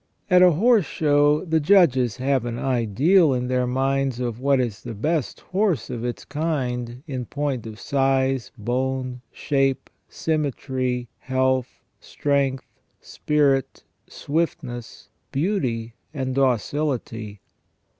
At a horse show the judges have an ideal in their minds of what is the best horse of its kind in point of size, bone, shape, symmetry, health, strength, spirit, swiftness, beauty, and docility.